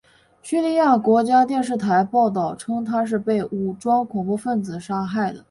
叙利亚国家电视台报道称他是被武装恐怖分子杀害的。